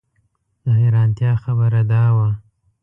د حیرانتیا خبره دا وه.